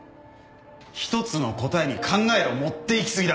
１つの答えに考えを持っていき過ぎだ。